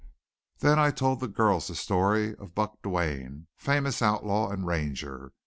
Then I told the girls the story of Buck Duane, famous outlaw and Ranger.